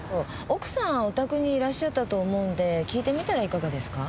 奥さんお宅にいらっしゃったと思うんで聞いてみたらいかがですか？